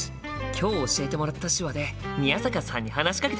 今日教えてもらった手話で宮坂さんに話しかけてみよっと！